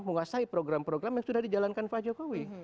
menguasai program program yang sudah dijalankan pak jokowi